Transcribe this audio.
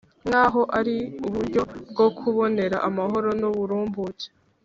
nk'aho ari uburyo bwo kwibonera amahoro n'uburumbuke.